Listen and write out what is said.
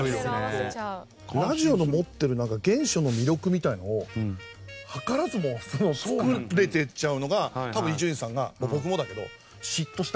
ラジオの持ってるなんか原初の魅力みたいのを図らずも作れてっちゃうのが多分伊集院さんが僕もだけど嫉妬した理由ですよね。